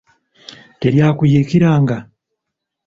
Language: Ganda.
Teryakuyiikiranga?